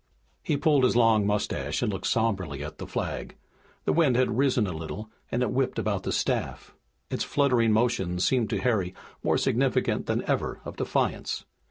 He pulled his long mustache and looked somberly at the flag. The wind had risen a little, and it whipped about the staff. Its fluttering motions seemed to Harry more significant than ever of defiance.